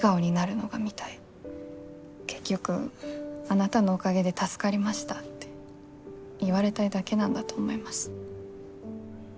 結局あなたのおかげで助かりましたって言われたいだけなんだと思います。